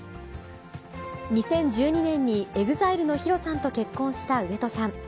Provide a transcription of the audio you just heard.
２０１２年にＥＸＩＬＥのＨＩＲＯさんと結婚した上戸さん。